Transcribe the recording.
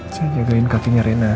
saya jagain katinya rena